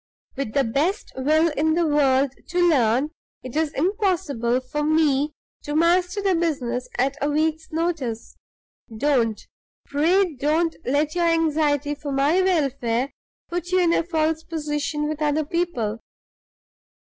With the best will in the world to learn, it is impossible for me to master the business at a week's notice. Don't, pray don't let your anxiety for my welfare put you in a false position with other people!